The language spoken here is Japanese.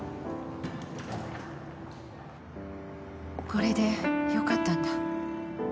これで良かったんだ。